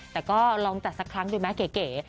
แต่ก็ลองจัดสักครั้งดูไหมเก๋